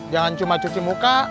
jangan cuma cuci muka